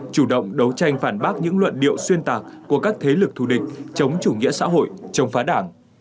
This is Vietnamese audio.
chủ động đấu tranh phản bác những luận điệu xuyên tạc của các thế lực thù địch chống chủ nghĩa xã hội chống phá đảng